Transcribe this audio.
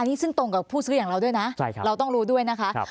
นี่ซึ่งตรงกับผู้ซื้ออย่างเราด้วยนะเราต้องรู้ด้วยนะคะ